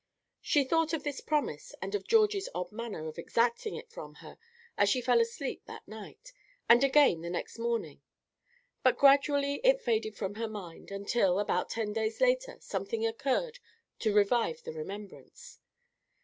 She thought of this promise, and of Georgie's odd manner of exacting it from her, as she fell asleep that night, and again the next morning; but gradually it faded from her mind, until, about ten days later, something occurred to revive the remembrance.